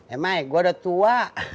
eh my gue udah tua